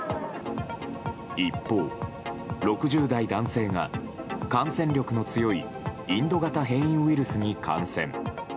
一方、６０代男性が感染力の強いインド型変異ウイルスに感染。